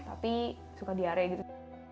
tapi suka diare gitu